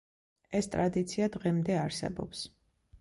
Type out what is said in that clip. ეს ტრადიცია დღემდე არსებობს.